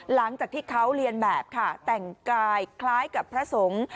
หลังจากที่เขาเรียนแบบค่ะแต่งกายคล้ายกับพระสงฆ์